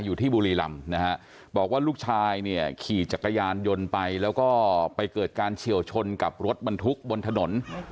อยู่ที่บุรีรำนะฮะบอกว่าลูกชายเนี่ยขี่จักรยานยนต์ไปแล้วก็ไปเกิดการเฉียวชนกับรถบรรทุกบนถนน